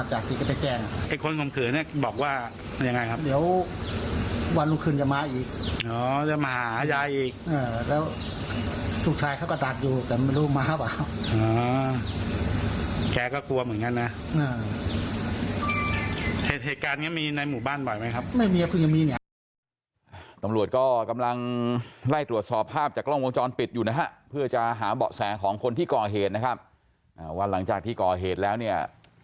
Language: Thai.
เหตุเหตุการณ์ยังมีในหมู่บ้านบ่อยไหมครับไม่มีครับคุณยังมีเนี่ย